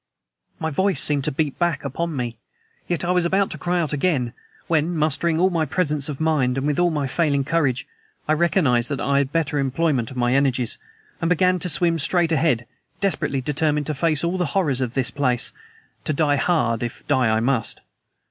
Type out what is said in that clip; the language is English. My voice seemed to beat back upon me, yet I was about to cry out again, when, mustering all my presence of mind and all my failing courage, I recognized that I had better employment of my energies, and began to swim straight ahead, desperately determined to face all the horrors of this place to die hard if die I must.